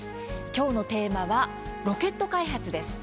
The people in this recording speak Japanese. きょうのテーマはロケット開発です。